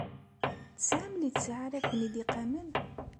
Tesɛam littseɛ ara ken-id-iqamen?